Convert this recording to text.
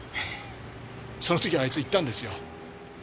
その時あいつ言ったんですよ。